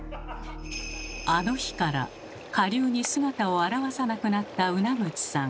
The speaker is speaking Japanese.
あの日から下流に姿を現さなくなったウナグチさん。